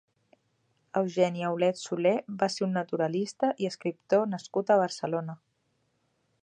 Eugeni Aulet Soler va ser un naturalista i escriptor nascut a Barcelona.